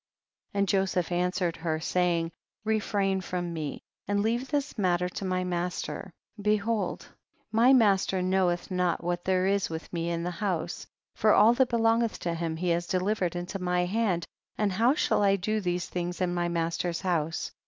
44. And Joseph answered her, saying, refrain from mc, and leave this matter to my master ; behold my master knoweth not what there is with me in the house, for all that belongeth to him he has delivered into my hand, and how shall I do these things in my master's house